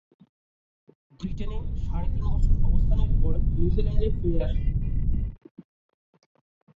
ব্রিটেনে সাড়ে তিন বছর অবস্থানের পর নিউজিল্যান্ডে ফিরে আসেন।